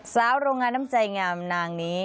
สาวโรงงานน้ำใจงามนางนี้